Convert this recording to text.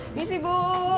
ini sih ibu